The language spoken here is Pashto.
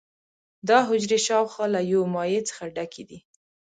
دا حجرې شاوخوا له یو مایع څخه ډکې دي.